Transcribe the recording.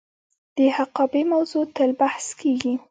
د حقابې موضوع تل بحث کیږي.